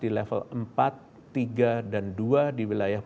diperbolehkan memasuki kawasan pusat perbelanjaan